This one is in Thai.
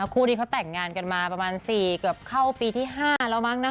คู่นี้เขาแต่งงานกันมาประมาณ๔เกือบเข้าปีที่๕แล้วมั้งนะคะ